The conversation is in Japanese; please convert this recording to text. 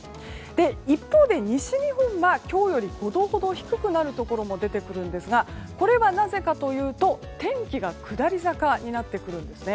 一方で、西日本は今日より５度ほど低くなるところも出てくるんですがこれはなぜかというと、天気が下り坂になってくるんです。